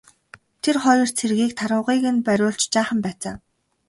Тэр хоёр цэргийг тарвагыг нь бариулж жаахан байцаав.